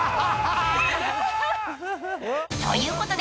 ［ということで］